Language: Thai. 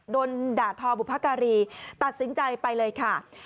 โดนด่าทอบุพการีตัดสินใจไปเลยค่ะ